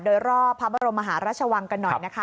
โดยรอบพระบรมมหาราชวังกันหน่อยนะคะ